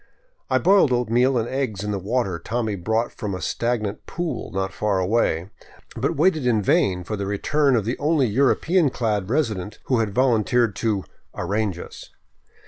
I boiled oatmeal and eggs in the water Tommy brought from a stag nant pool not far away, but waited in vain for the return of the only European clad resident, who had volunteered to " arrange us."